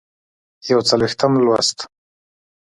یوڅلوېښتم لوست